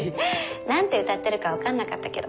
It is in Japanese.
何て歌ってるか分かんなかったけど。